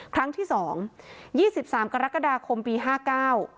ครั้งที่สองยี่สิบสามกรกฎาคมปีห้าเก้า